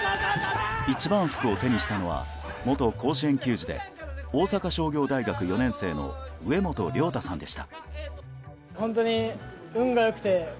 一番福を手にしたのは元甲子園球児で大阪商業大学４年生の植本亮太さんでした。